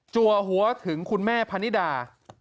จัวหัวถึงคุณแม่พะนี่ดา